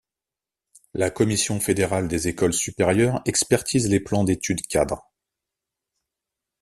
La Commission fédérale des écoles supérieures expertise les plans d’études cadres.